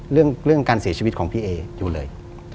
เรื่องการเสียชีวิตของพี่เออยู่เลย